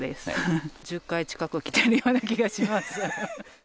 １０回近く来てるような気がします。